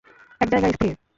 এক জায়গায় স্থির!